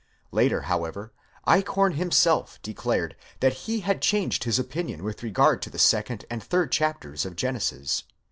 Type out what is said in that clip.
Later, how ever, Eichhorn himself declared that he had changed his opinion with regard to the second and third chapters of Genesis.